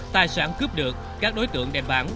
tài sản cướp được các đối tượng đem bán